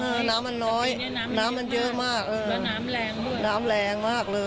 พูดสิทธิ์ข่าวธรรมดาทีวีรายงานสดจากโรงพยาบาลพระนครศรีอยุธยาครับ